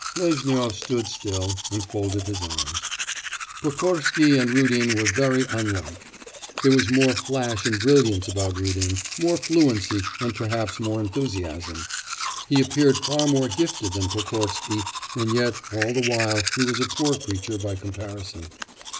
Lezhnyov stood still and folded his arms. 'Pokorsky and Rudin were very unlike. There was more flash and brilliance about Rudin, more fluency, and perhaps more enthusiasm. He appeared far more gifted than Pokorsky, and yet all the while he was a poor creature by comparison.